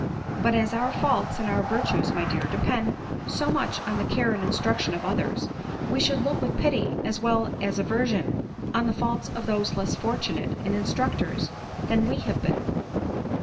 " But as our faults and our virtues, my dear, depend so much on the care and instruction of others, we should look with pity as well as aversion on the faults of those less fortunate in instructers than we have been."